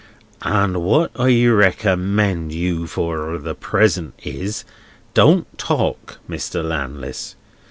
"And what I recommend you for the present, is, don't talk, Mr. Landless.